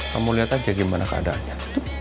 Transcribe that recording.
kamu lihat aja gimana keadaannya